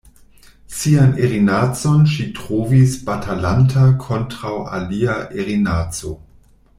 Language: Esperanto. Sian erinacon ŝi trovis batalanta kontraŭ alia erinaco.